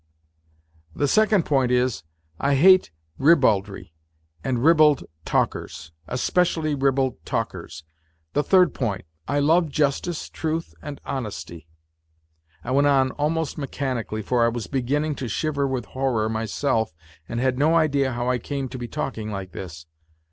The second point is : I hate ribaldry and ribald talkers. Especially ribald talkers ! The third point : I love justice, truth and honesty." I went on almost mechanically, for I was begin ning to shiver with horror myself and had no idea how I came to be talking like this.